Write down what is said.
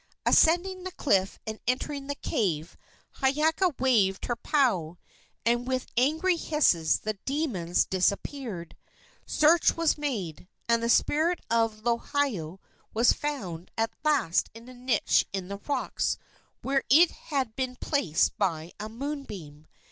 Ascending the cliff and entering the cave, Hiiaka waved her pau, and with angry hisses the demons disappeared. Search was made, and the spirit of Lohiau was found at last in a niche in the rocks, where it had been placed by a moonbeam.